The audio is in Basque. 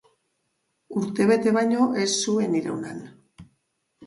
Urtebete baino ez zuen iraun han.